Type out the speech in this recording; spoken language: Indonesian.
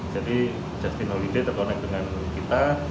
jadi justin holliday terkonek dengan kita